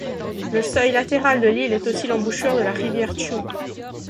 Le seuil latéral de l'île est aussi l'embouchure de la rivière Chew.